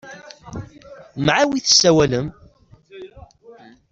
Mɛa wi tessawalem?